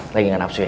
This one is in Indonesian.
lagi gak nafsu ya